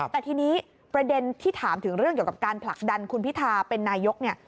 แต่ทีนี้ประเด็นที่ถามถึงเรื่องเกี่ยวกับการผลักดันคุณพิทาเป็นนายกเนี่ย